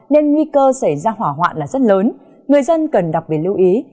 nên nguy cơ xảy ra hỏa hoạn là rất lớn người dân cần đặc biệt lưu ý